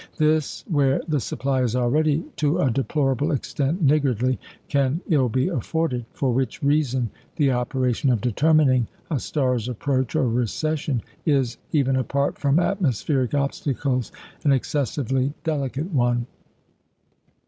This, where the supply is already to a deplorable extent niggardly, can ill be afforded; for which reason the operation of determining a star's approach or recession is, even apart from atmospheric obstacles, an excessively delicate one.